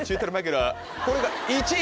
これが１位？